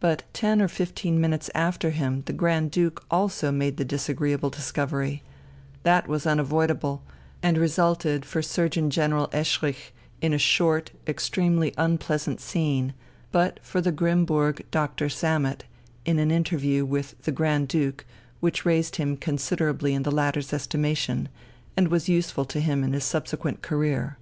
But ten or fifteen minutes after him the Grand Duke also made the disagreeable discovery, that was unavoidable, and resulted for Surgeon General Eschrich in a short, extremely unpleasant scene, but for the Grimmburg Doctor Sammet in an interview with the Grand Duke which raised him considerably in the latter's estimation and was useful to him in his subsequent career.